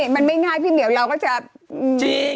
มันไม่ง่ายพี่เหมียวเราก็จะจริง